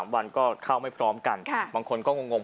๓วันก็เข้าไม่พร้อมกันบางคนก็งง